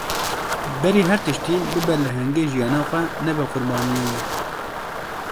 Berî her tiştî, bibe lehengê jîyana xwe, nebe qurbaniyê wê.